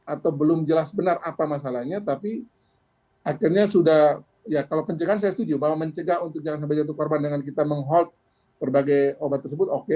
atau belum jelas benar apa masalahnya tapi akhirnya sudah ya kalau pencegahan saya setuju bahwa mencegah untuk jangan sampai jatuh korban dengan kita menghold berbagai obat tersebut oke